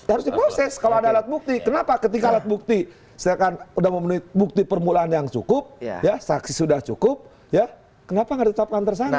dia harus diproses kalau ada alat bukti kenapa ketika alat bukti saya kan udah memenuhi bukti permulaan yang cukup ya saksi sudah cukup ya kenapa gak tetapkan tersangka